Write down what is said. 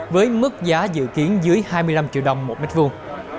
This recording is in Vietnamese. với mức giá dự kiến dưới hai mươi năm triệu đồng